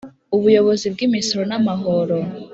Ubuyobozi bw’Imisoro n’amahoro